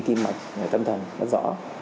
tim mạch tâm thần rất rõ